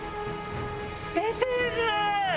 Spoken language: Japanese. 出てるー！